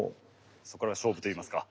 そこから勝負といいますか。